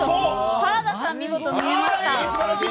原田さん、見事みえました。